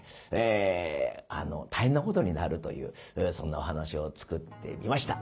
え大変なことになるというそんなお噺を作ってみました。